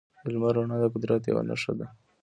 د لمر رڼا د قدرت یوه نښه ده.